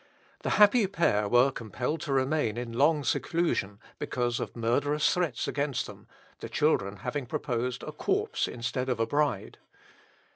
The happy pair were compelled to remain in long seclusion because of murderous threats against them, the children having proposed a corpse instead of a bride.